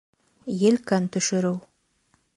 Елкән төшөрөү